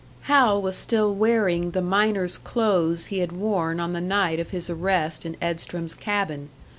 Hal was still wearing the miner's clothes he had worn on the night of his arrest in Edstrom's cabin.